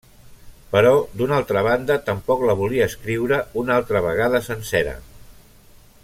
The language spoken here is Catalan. Però, d'una altra banda, tampoc la volia escriure una altra vegada sencera.